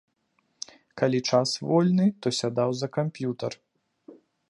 Калі час вольны, то сядаў за камп'ютар.